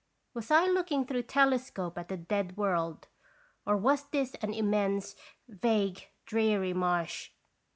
Was I looking through telescope at a dead world, or was this an immense, vague, dreary marsh?